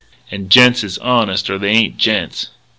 And gents is honest or they ain't gents."